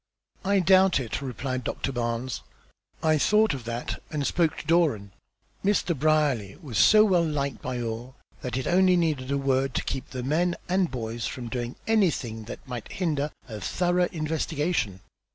"I doubt it," replied Doctor Barnes. "I thought of that, and spoke to Doran. Mr. Brierly was so well liked by all that it only needed a word to keep the men and boys from doing anything that might hinder a thorough investigation.